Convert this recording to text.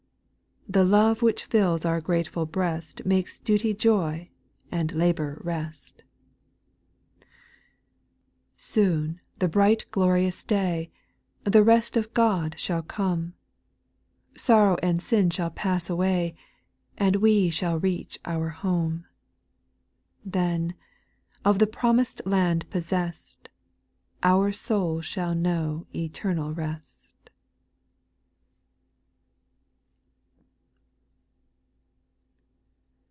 The love which fills our grateful breast Makes duty joy, and labour rest SPIRITUAL SONGS, 129 Soon the bright glorious day, The rest of God shall come ; Sorrow and sin shall pass away, And we shall reach our home ; Then, of the promised land possessed, Our souls shall know eternal rest.